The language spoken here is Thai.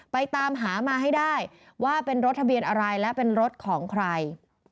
ตามหามาให้ได้ว่าเป็นรถทะเบียนอะไรและเป็นรถของใคร